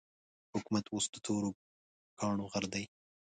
حکومت اوس د تورو کاڼو غر دی.